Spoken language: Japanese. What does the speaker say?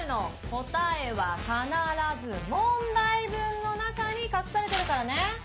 答えは必ず問題文の中に隠されてるからね。